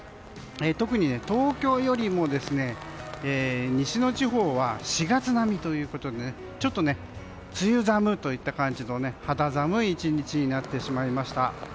特に東京よりも西の地方は４月並みということでちょっと、梅雨寒といった感じの肌寒い１日になってしまいました。